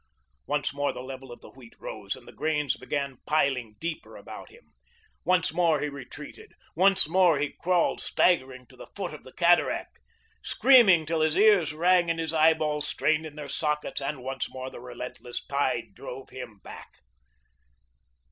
Once more the level of the wheat rose and the grains began piling deeper about him. Once more he retreated. Once more he crawled staggering to the foot of the cataract, screaming till his ears sang and his eyeballs strained in their sockets, and once more the relentless tide drove him back.